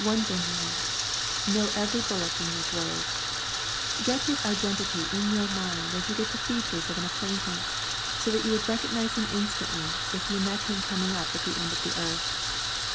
One thing more: know every bullock in your drove. Get his identity in your mind as you get the features of an acquaintance, so that you would recognise him instantly if you met him coming up at the end of the earth.